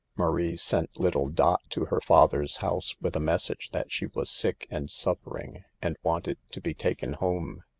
Marie sent little Dot to her father's house with a message that she was sick and suffering, and wanted to be taken home.